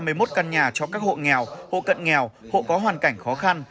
sửa chữa sáu trăm năm mươi một căn nhà cho các hộ nghèo hộ cận nghèo hộ có hoàn cảnh khó khăn